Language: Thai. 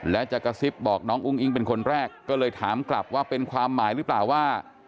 และจะกระซิบบอกน้องอุ้งอิงเป็นคนแรกก็เลยถามกลับว่าเป็นความหมายหรือเปล่าว่า